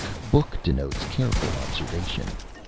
Book denotes careful Observation.